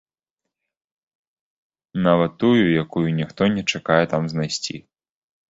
Нават тую, якую ніхто не чакае там знайсці.